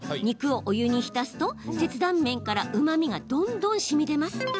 肉をお湯に浸すと切断面からうまみがどんどんしみ出ます。